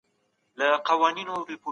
علم واقعيات د علتونو پر بنسټ نه پيوندوي؟